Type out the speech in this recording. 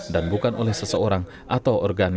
dan bukan oleh seseorang atau organisasi